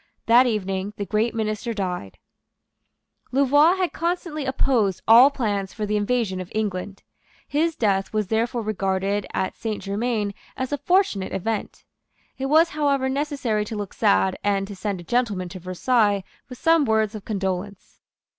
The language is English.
That evening the great minister died. Louvois had constantly opposed all plans for the invasion of England. His death was therefore regarded at Saint Germains as a fortunate event. It was however necessary to look sad, and to send a gentleman to Versailles with some words of condolence.